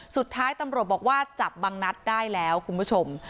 สุดท้ายตำรวจบอกว่าจับบังนัดได้แล้วคุณผู้ชม